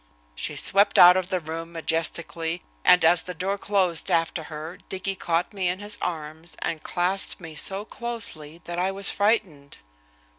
She swept out of the room majestically, and as the door closed after her Dicky caught me in his arms and clasped me so closely that I was frightened.